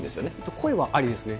声はありですね。